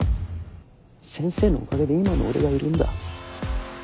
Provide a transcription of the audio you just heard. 先生のおかげで今の俺がいるんだ。